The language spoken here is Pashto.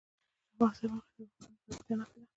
د افغانستان موقعیت د افغانستان د زرغونتیا نښه ده.